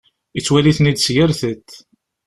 Yettwali-tent-id s yir tiṭ.